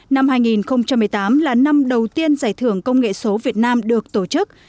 năm hai nghìn một mươi tám là năm đầu tiên giải thưởng công nghệ số việt nam được tổ chức